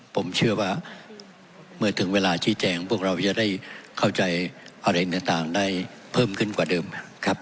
ผมเชื่อว่าเมื่อถึงเวลาชี้แจงพวกเราจะได้เข้าใจอะไรต่างได้เพิ่มขึ้นกว่าเดิมครับ